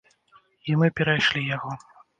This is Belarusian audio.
І мы перайшлі яго.